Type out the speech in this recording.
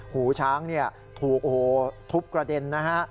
หูช้างถูกทุบกระเด็นนะฮะ